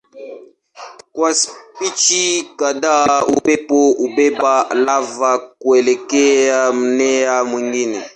Kwa spishi kadhaa upepo hubeba lava kuelekea mmea mwingine.